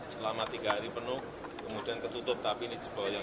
terima kasih banyak banyak